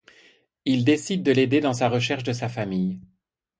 Ils décident de l'aider dans sa recherche de sa famille.